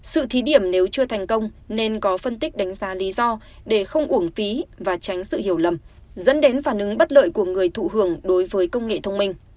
sự thí điểm nếu chưa thành công nên có phân tích đánh giá lý do để không uổng phí và tránh sự hiểu lầm dẫn đến phản ứng bất lợi của người thụ hưởng đối với công nghệ thông minh